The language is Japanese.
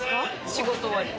仕事終わりで。